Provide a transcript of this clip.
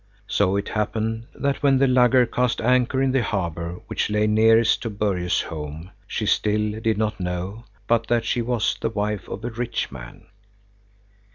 So it happened that when the lugger cast anchor in the harbor which lay nearest to Börje's home, she still did not know but that she was the wife of a rich man.